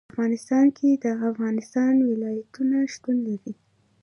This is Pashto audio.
په افغانستان کې د افغانستان ولايتونه شتون لري.